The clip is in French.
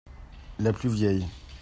La plus vieille